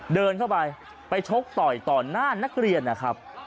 เดินเข้าไปไปชกต่อยต่อหน้านักเรียนนะครับ